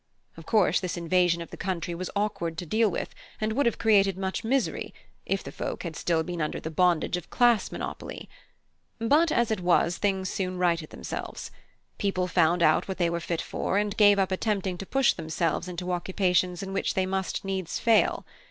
Of course, this invasion of the country was awkward to deal with, and would have created much misery, if the folk had still been under the bondage of class monopoly. But as it was, things soon righted themselves. People found out what they were fit for, and gave up attempting to push themselves into occupations in which they must needs fail.